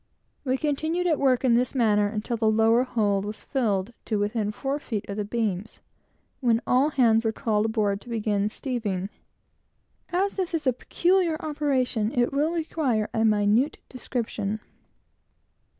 We continued at work in this manner until the lower hold was filled to within four feet of the beams, when all hands were called aboard to commence steeving. As this is a peculiar operation, it will require a minute description.